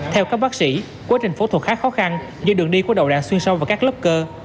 theo các bác sĩ quá trình phẫu thuật khá khó khăn do đường đi của đầu đạn xuyên sâu vào các lớp cơ